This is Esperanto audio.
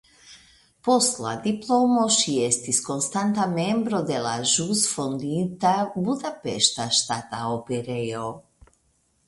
Post la diplomo ŝi estis konstanta membro de la ĵus fondita Budapeŝta Ŝtata Operejo.